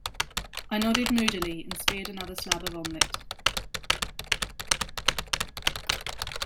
I nodded moodily and speared another slab of omelette.